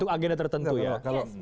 itu agennya tertentu ya